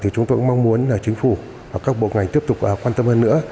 chúng tôi cũng mong muốn chính phủ và các bộ ngành tiếp tục quan tâm hơn nữa